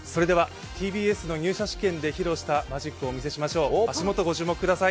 それではＴＢＳの入社試験で披露したマジックをお見せしましょう。